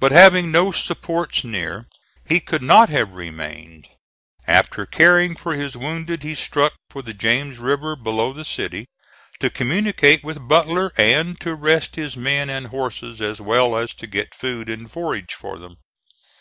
But having no supports near he could not have remained. After caring for his wounded he struck for the James River below the city, to communicate with Butler and to rest his men and horses as well as to get food and forage for them.